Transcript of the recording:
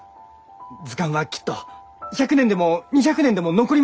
図鑑はきっと１００年でも２００年でも残りますき！